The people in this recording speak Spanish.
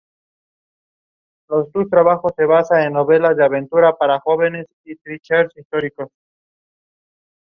En la respiración anaerobia, no se requiere oxígeno.